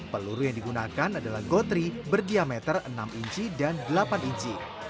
peluru yang digunakan adalah gotri berdiameter enam inci dan delapan inci